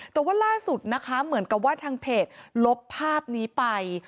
แต่ว่าล่าสุดนะคะเหมือนกับว่าทางเพจลบภาพนี้ไป